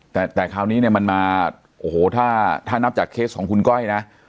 แต่คราวนี้เนี่ยมันมาโอ้โหถ้านับจากเคสของคุณก้อยนะ